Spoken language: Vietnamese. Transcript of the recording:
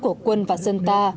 của quân và dân ta